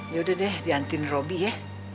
yaudah deh diantirin robi ya